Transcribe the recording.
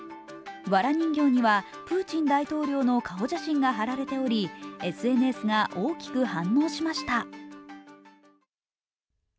わら人形にはプーチン大統領の顔写真が貼られており、ＳＮＳが大きく反応しました。